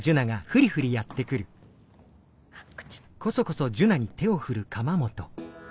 あっこっち。